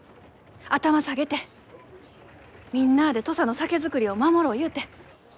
頭下げてみんなあで土佐の酒造りを守ろうゆうて。